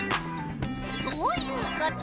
そういうこと！